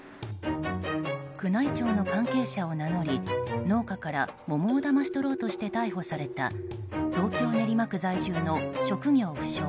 宮内庁の関係者を名乗り農家から桃をだまし取ろうとして逮捕された東京・練馬区在住の職業不詳